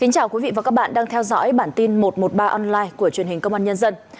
chào mừng quý vị đến với bản tin một trăm một mươi ba online của truyền hình công an nhân dân